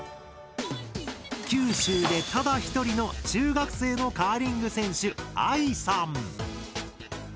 九州でただ１人の中学生のカーリング選手あいさん！